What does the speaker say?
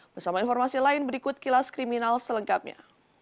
bersama informasi lain berikut kilas kriminal selengkapnya